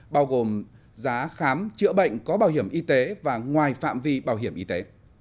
bao gồm giá khám chữa bệnh có bảo hiểm y tế và ngoài phạm vi bảo hiểm y tế